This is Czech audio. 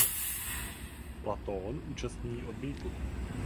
Platón účast v ní odmítl.